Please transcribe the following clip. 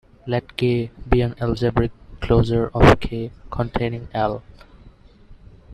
Let "K" be an algebraic closure of "K" containing "L".